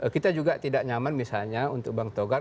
kita juga tidak nyaman misalnya untuk bang togar